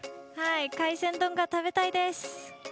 海鮮丼が食べたいです。